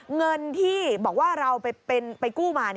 เงินที่บอกว่าเราไปกู้มา